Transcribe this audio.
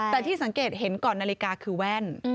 แต่ที่สังเกตเห็นก่อนนาฬิกาคือแว่น